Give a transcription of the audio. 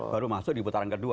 baru masuk di putaran kedua